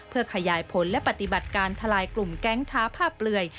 เพื่อขยายผลและปฏิบัติการทลายกลุ่มแก๊งค้าผ้าเปลือย